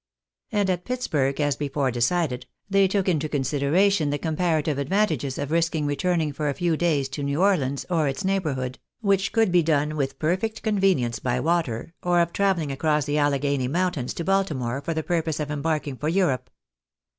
And at Pittsburg, as before decided, they took into consider ation the comparative advantages of risking returning for a few days to New Orleans, or its neighbourhood, which could be done with perfect convenience by water, or of travelUng across the Alleghany mountains to Baltimore for the purpose of embarking for Europe.